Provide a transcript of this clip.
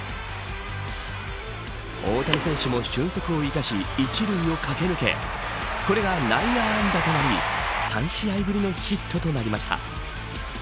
大谷選手も俊足を生かし１塁を駆け抜けこれが内野安打となり３試合ぶりのヒットとなりました。